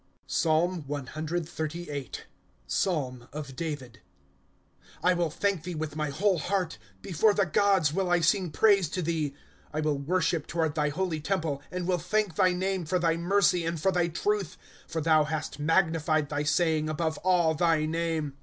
PSALM CXXXTIIL [Psalm] of David. ^ I WILL thank thee with my whole heart ; Before the gods will I sing praise to thee. ^ I will worship toward thy holy temple. And will thank thy name for thy mercy and for thy truth ■ For thou hast magnified thy saying above all thy name.